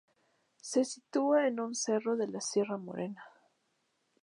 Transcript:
Se sitúa en un cerro de la Sierra Morena.